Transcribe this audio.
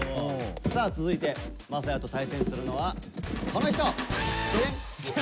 さあ続いて晶哉と対戦するのはこの人！